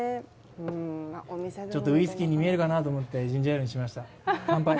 ちょっとウイスキーに見えるかなと思ってジンジャーエールにしました、乾杯。